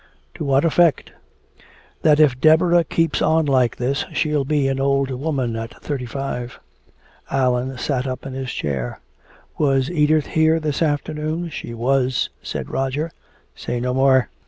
"To what effect?" "That if Deborah keeps on like this she'll be an old woman at thirty five." Allan sat up in his chair: "Was Edith here this afternoon?" "She was," said Roger. "Say no more."